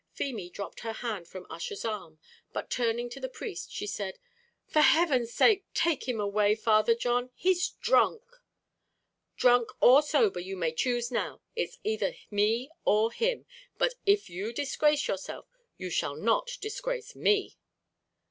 Feemy dropped her hand from Ussher's arm, but turning to the priest, she said, "For heaven's sake take him away, Father John, he's drunk!" "Drunk or sober, you may choose now; it's either me or him; but if you disgrace yourself, you shall not disgrace me!"